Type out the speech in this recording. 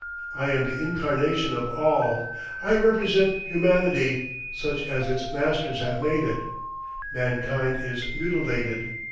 I am the incarnation of All. I represent humanity, such as its masters have made it. Mankind is mutilated.